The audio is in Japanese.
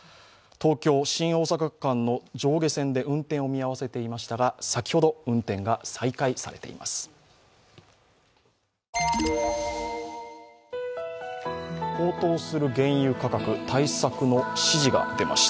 東京−新大阪区間の上下線で運転を見合わせていましたが先ほど運転が再開されています。